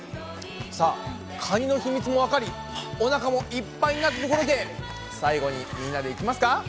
さあカニの秘密もわかりおなかもいっぱいになったところで最後にみんなでいきますか！